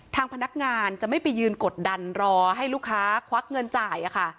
ทางพนักงานจะไม่ไปยืนกดดันรอให้ลูกค้าควักเงินจ่าย